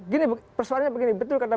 gini persoalannya begini betul karena